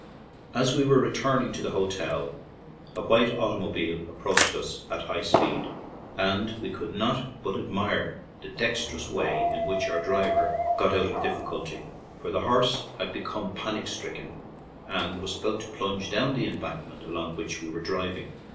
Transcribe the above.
As we were returning to the hotel, a white automobile approached us at high speed, and we could not but admire the dexterous way in which our driver got out of difficulty; for the horse had be come panic stricken and was about to plunge down the embankment along which we were driving.